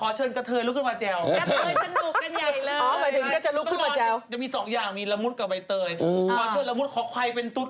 โอ้โหลุขึ้นมาเจียมแรงกับหนูอีก